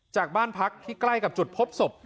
จากบ้านพักที่ใกล้กับจุดพบศพ